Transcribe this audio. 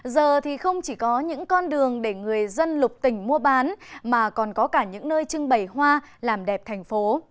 giờ thì không chỉ có những con đường để người dân lục tỉnh mua bán mà còn có cả những nơi trưng bày hoa làm đẹp thành phố